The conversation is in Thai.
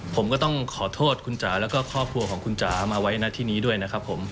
ผมก็ต้องขอโทษคุณจ๋าแล้วก็ครอบครัวของคุณจ๋ามาไว้หน้าที่นี้ด้วยนะครับผม